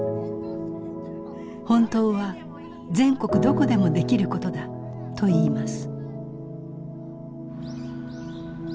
本当は全国どこでもできることだと言います。